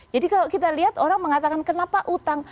jadi kalau kita lihat orang mengatakan kenapa utang